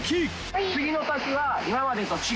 次の滝は。